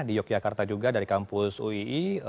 di yogyakarta juga dari kampus uii